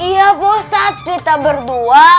iya bosat kita berdua